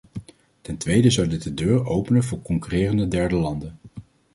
Ten tweede zou dit de deur openen voor concurrerende derde landen.